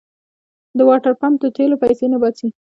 د واټرپمپ د تېلو پيسې نه باسي.